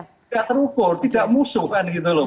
tidak terukur tidak musuh kan gitu loh